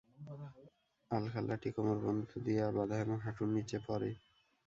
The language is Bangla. আলখাল্লাটি কোমরবন্ধ দিয়া বাঁধা এবং হাঁটুর নীচে পড়ে।